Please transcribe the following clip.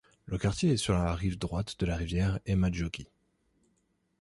Le quartier est sur la rive droite de la rivière Emajõgi.